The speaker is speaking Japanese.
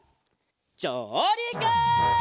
じょうりく！